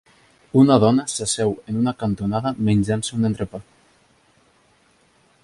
Una dona s'asseu en una cantonada menjant-se un entrepà.